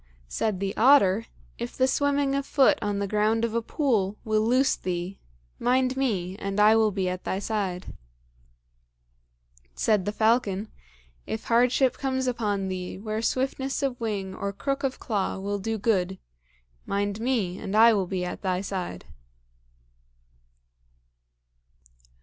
Said the otter, "If the swimming of foot on the ground of a pool will loose thee, mind me, and I will be at thy side." Said the falcon, "If hardship comes on thee, where swiftness of wing or crook of claw will do good, mind me, and I will be at thy side."